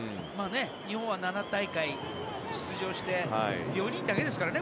日本は７大会出場して４人だけですからね。